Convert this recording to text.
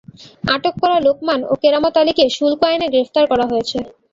আটক করা লোকমান ও কেরামত আলীকে শুল্ক আইনে গ্রেপ্তার করা হয়েছে।